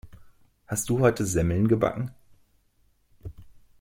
Hast du heute Semmeln gebacken?